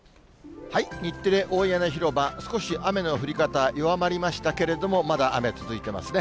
日テレ大屋根広場、少し雨の降り方弱まりましたけれども、まだ雨続いてますね。